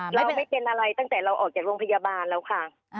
เราจะไม่เป็นอะไรตั้งแต่เราออกจากโรงพยาบาลแล้วค่ะ